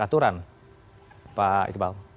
aturan pak iqbal